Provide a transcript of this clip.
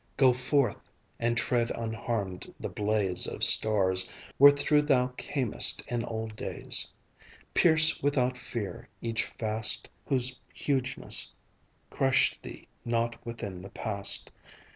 Go forth, and tread unharmed the blaze Of stars where through thou camest in old days; Pierce without fear each vast Whose hugeness crushed thee not within the past.